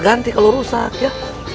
ganti kalau rusak ya